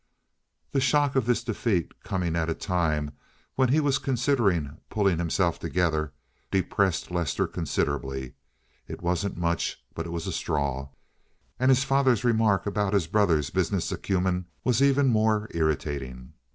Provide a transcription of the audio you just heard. The shock of this defeat, coming at a time when he was considering pulling himself together, depressed Lester considerably. It wasn't much but it was a straw, and his father's remark about his brother's business acumen was even more irritating.